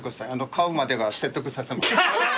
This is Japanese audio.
買うまで説得させます。